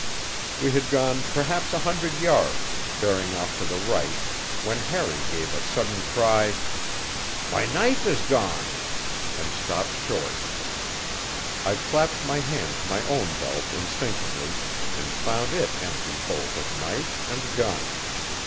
We had gone perhaps a hundred yards, bearing off to the right, when Harry gave a sudden cry: "My knife is gone!" and stopped short. I clapped my hand to my own belt instinctively, and found it empty both of knife and gun!